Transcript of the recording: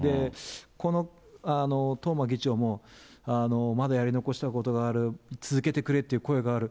この東間議長も、まだやり残したことがある、続けてくれって声がある。